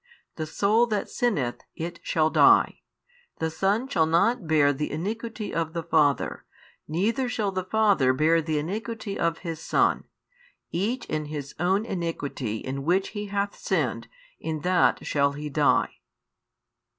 The soul that sinneth, it shall die. The son shall not bear the iniquity of the father, neither shall the father bear the iniquity of his son: each in his own iniquity in which he hath sinned, in that shall he die.